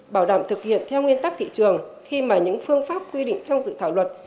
bảo đảm thực hiện theo nguyên tắc thị trường khi mà những phương pháp quy định trong dự thảo luật